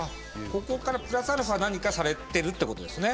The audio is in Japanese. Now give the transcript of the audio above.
ここからプラスアルファ何かされてるってことですね？